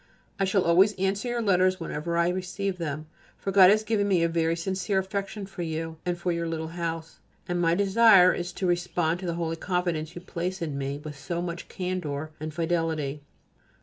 I shall always answer your letters whenever I receive them, for God has given me a very sincere affection for you and for your little house, and my desire is to respond to the holy confidence you place in me with so much candour and fidelity.